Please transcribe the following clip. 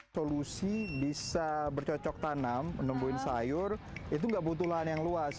solusi bisa bercocok tanam menemuin sayur itu nggak butuhan yang luas